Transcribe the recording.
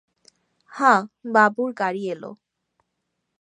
হাঁ, বাবুর গাড়ি এল।